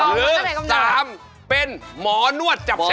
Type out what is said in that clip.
หรือ๓หมอนวดจับเส้นครับ